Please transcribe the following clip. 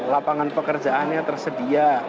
lapangan pekerjaannya tersedia